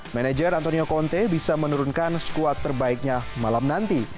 manager antonio conte bisa menurunkan skuad terbaiknya malam nanti